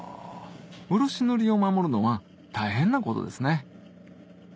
漆塗りを守るのは大変なことですね